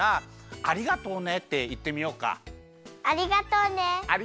ありがとうね。